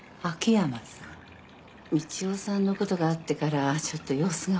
道夫さんのことがあってからちょっと様子がおかしくて。